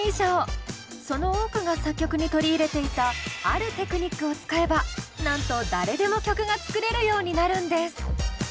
その多くが作曲に取り入れていたあるテクニックを使えばなんと誰でも曲が作れるようになるんです！